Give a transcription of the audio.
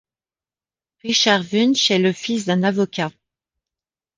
Richard Wünsch est le fils d'un avocat.